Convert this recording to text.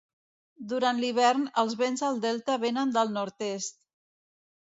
Durant l'hivern els vents al delta vénen del nord-est.